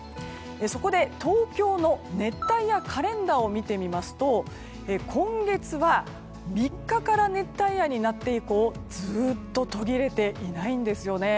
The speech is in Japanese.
そこで東京の熱帯夜カレンダーを見てみますと今月は３日から熱帯夜になって以降ずっと途切れていないんですよね。